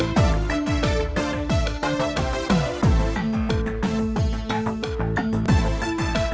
jangan akan nessa kw teachers